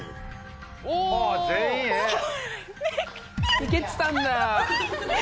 行けてたんだ。